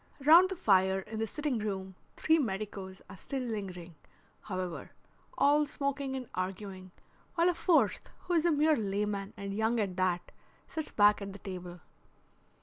Round the fire in the sitting room three medicos are still lingering, however, all smoking and arguing, while a fourth, who is a mere layman and young at that, sits back at the table.